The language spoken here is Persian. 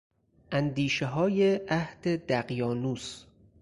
اندیشههای عهد دقیانوس